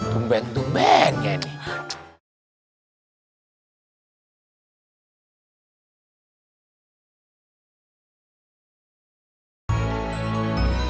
tumben tumben kayaknya